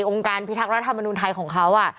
องค์การพิทักษ์รัฐมนุนไทยของเขา